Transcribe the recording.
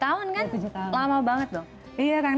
tujuh tahun kan lama banget dong